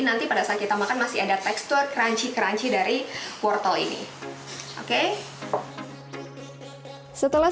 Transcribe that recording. nanti pada saat kita makan masih ada tekstur crunchy crunchy dari wortel ini oke setelah